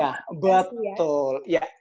yang harus digaris bawah